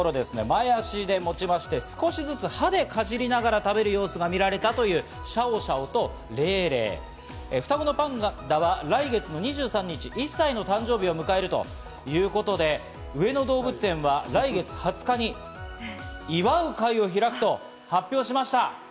前足で持ちまして、少しずつ歯でかじりながら食べる様子が見られたという、シャオシャオとレイレイ、双子のパンダが来月２３日、１歳の誕生日を迎えるということで、上野動物園は来月２０日に祝う会を開くと発表しました。